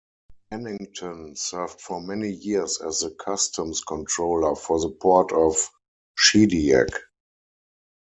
Hanington served for many years as the customs controller for the port of Shediac.